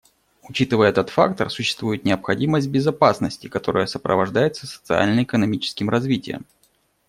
Учитывая этот фактор, существует необходимость в безопасности, которая сопровождается социально-экономическим развитием.